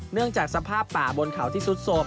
เนื่องจากสภาพป่าบนเขาที่สุดโสม